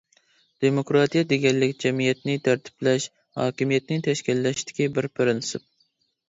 دېموكراتىيە دېگەنلىك، جەمئىيەتنى تەرتىپلەش، ھاكىمىيەتنى تەشكىللەشتىكى بىر پىرىنسىپ.